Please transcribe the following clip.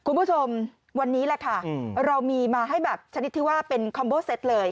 คุณผู้ชมวันนี้แหละค่ะเรามีมาให้แบบชนิดที่ว่าเป็นคอมโบเซตเลย